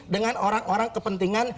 dengan orang orang kepentingan